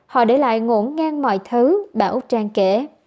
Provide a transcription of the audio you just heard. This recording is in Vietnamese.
họ để lại ngỗ ngang mọi thứ bà úc trang kể